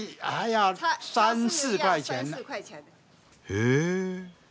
へえ。